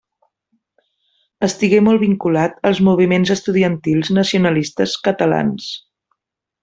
Estigué molt vinculat als moviments estudiantils nacionalistes catalans.